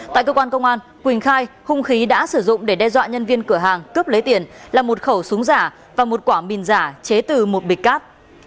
tại cơ quan công an quỳnh khai hung khí đã sử dụng để đe dọa nhân viên cửa hàng cướp lấy tiền là một khẩu súng giả và một quả mìn giả chế từ một bịch cát